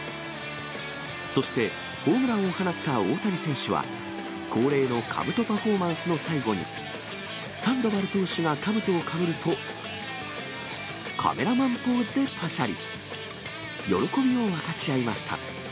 そしてホームランを放った大谷選手は、恒例のかぶとパフォーマンスの最後に、サンドバル投手がかぶとをかぶると、カメラマンポーズでぱしゃり。喜びを分かち合いました。